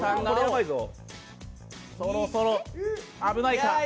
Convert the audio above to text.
そろそろ危ないか。